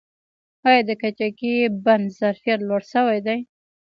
آیا د کجکي بند ظرفیت لوړ شوی دی؟